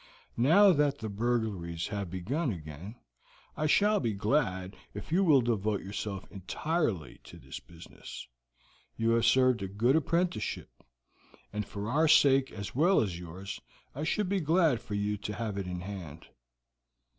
Now that the burglaries have begun again, I shall be glad if you will devote yourself entirely to this business. You have served a good apprenticeship, and for our sake as well as yours I should be glad for you to have it in hand."